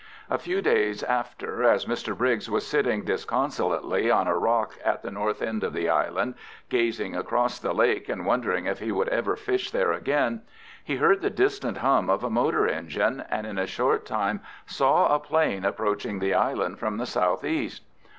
A few days after, as Mr Briggs was sitting disconsolately on a rock at the north end of the island, gazing across the lake and wondering if he would ever fish there again, he heard the distant hum of a motor engine, and in a short time saw a 'plane approaching the island from the south east.